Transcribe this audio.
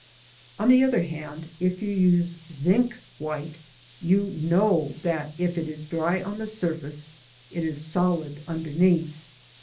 On the other hand, if you use zinc white you know that if it is dry on the surface it is solid underneath.